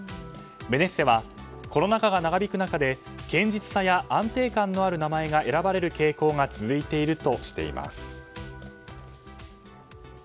ベネッセはコロナ禍が長引く中で堅実さや安定感のある名前が選ばれる傾向が続いているとしています。